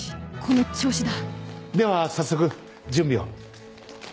この調子だでは早速準備を。